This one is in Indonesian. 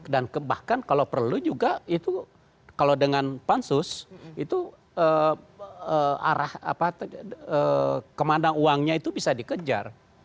dan bahkan kalau perlu juga itu kalau dengan pansus itu arah kemanda uangnya itu bisa dikejar